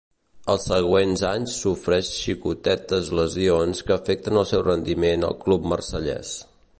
Els següents anys sofreix xicotetes lesions que afecten el seu rendiment al club marsellès.